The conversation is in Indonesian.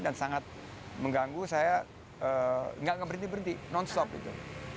dan sangat mengganggu saya nggak berhenti henti non stop gitu